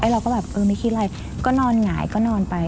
เราก็แบบเออไม่คิดไร